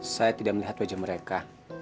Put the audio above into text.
saya tidak melihat wajah mereka